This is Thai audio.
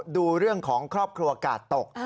ดูเรื่องของครอบครัวกาดตก